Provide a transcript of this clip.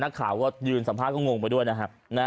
นักข่าวยืนสัมภาพก็งงไปด้วยนะครับ